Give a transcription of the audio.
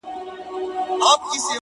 شراب ترخه ترخو ته دي، و موږ ته خواږه،